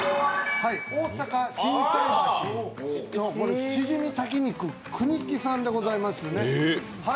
大阪・心斎橋のしじみ炊き肉くにきさんでございますね。